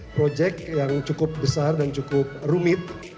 proyek yang cukup besar dan cukup rumit